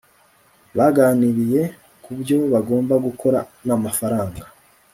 baganiriye kubyo bagomba gukora namafaranga